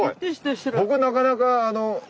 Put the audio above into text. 僕なかなか。